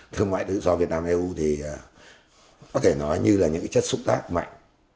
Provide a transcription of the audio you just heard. thương mại tự do việt nam eu thì có thể nói như là những chất xúc tác mạnh